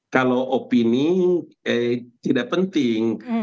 kalau opini tidak penting